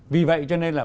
vì vậy cho nên là